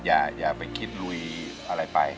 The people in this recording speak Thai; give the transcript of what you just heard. อย่าไปคิดลุยอะไรไป